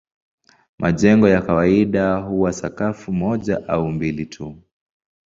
Majengo ya kawaida huwa sakafu moja au mbili tu.